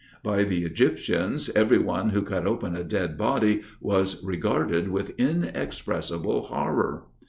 By the Egyptians, every one who cut open a dead body was regarded with inexpressible horror.